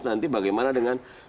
nanti bagaimana dengan